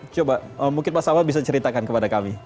coba mungkin mas ahmad bisa ceritakan kepada kami